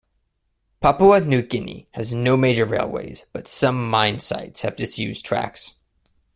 Papua New Guinea has no major railways, but some mine sites have disused tracks.